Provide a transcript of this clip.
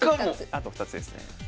あと２つですね。